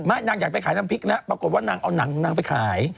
ไม่นางอยากไปขายน้ำพริกแล้วปรากฏว่านางเอานางไปขาย